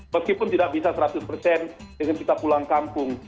meskipun tidak bisa seratus persen dengan kita pulang kampung